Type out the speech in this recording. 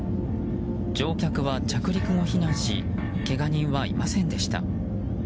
乗客は着陸後避難しけが人はいませんでした。